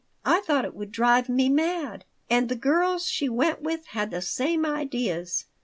I thought it would drive me mad. And the girls she went with had the same ideas.